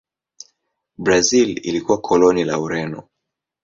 Brazil ilikuwa koloni la Ureno.